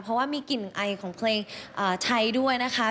เพราะว่ามีกลิ่นไอของเพลงใช้ด้วยนะคะ